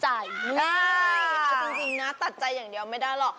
ใช่เอาจริงนะตัดใจอย่างเดียวไม่ได้หรอก